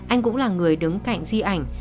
anh cũng là người đứng cạnh di ảnh